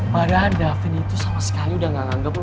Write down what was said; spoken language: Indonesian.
padahal davin itu sama sekali udah gak nganggep lo ra